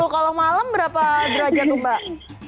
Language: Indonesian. kalau malam berapa derajat tuh mbak